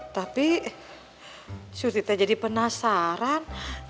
tapi surti teh jadi penasaran